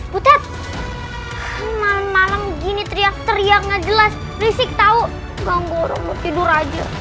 butet malam malam gini teriak teriaknya jelas risik tau ganggu orang tidur aja